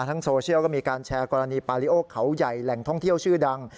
โซเชียลก็มีการแชร์กรณีปาริโอเขาใหญ่แหล่งท่องเที่ยวชื่อดัง